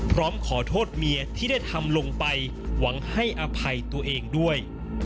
พร้อมขอโทษเมียที่ได้ทำลงไปหวังให้อภัยตัวเองด้วย